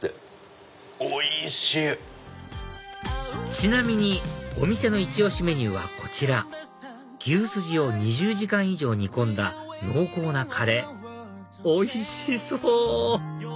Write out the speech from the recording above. ちなみにお店のいち押しメニューはこちら牛すじを２０時間以上煮込んだ濃厚なカレーおいしそう！